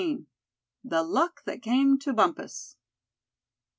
THE LUCK THAT CAME TO BUMPUS.